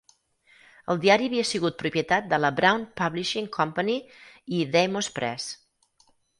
El diari havia sigut propietat de la Brown Publishing Company i d'Amos Press.